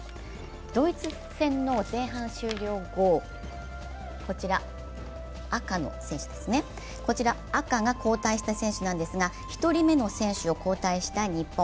ドイツ戦の前半終了後、赤の選手が交代した選手なんですが１人目の選手を交代した日本。